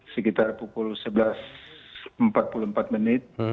sekitar pukul sebelas empat puluh empat menit